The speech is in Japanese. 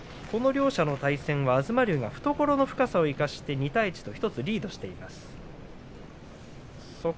両者の対戦東龍には懐の深さを生かして２勝１敗と１つリードしています。